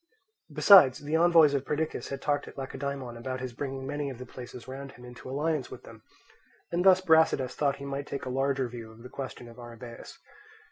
Besides, the envoys of Perdiccas had talked at Lacedaemon about his bringing many of the places round him into alliance with them; and thus Brasidas thought he might take a larger view of the question of Arrhabaeus.